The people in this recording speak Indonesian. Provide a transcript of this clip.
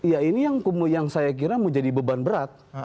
ya ini yang saya kira menjadi beban berat